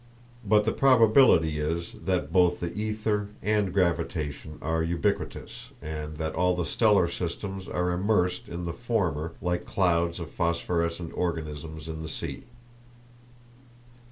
But the probability is that both the ether and gravitation are ubiquitous, and that all the stellar systems are immersed in the former like clouds of phosphorescent organisms in the sea.